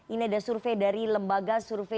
ini ada survei dari lembaga survei